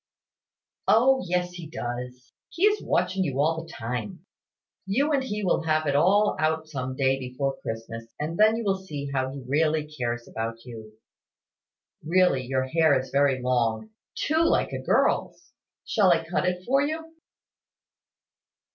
"O yes, he does. He is watching you all the time. You and he will have it all out some day before Christmas, and then you will see how he really cares about you. Really your hair is very long, too like a girl's. Shall I cut it for you?"